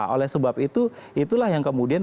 oleh sebab itu itulah yang kemudian